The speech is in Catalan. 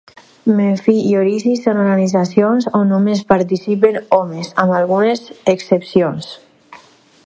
Memphi i Osiris són organitzacions on només participen homes, amb algunes excepcions.